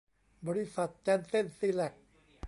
บริษัทแจนเซ่นซีแลก